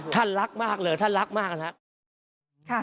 ท่านรักมากเลยท่านรักมากนะครับ